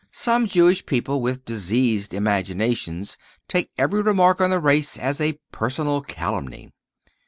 Some Jewish people with diseased imaginations take every remark on the race as a personal calumny.